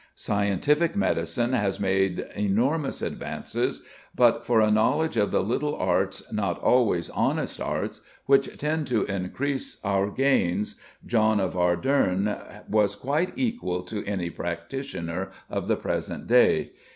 Scientific medicine has made enormous advances; but for a knowledge of the little arts, not always honest arts, which tend to increase our gains, John of Arderne was quite equal to any practitioner of the present day.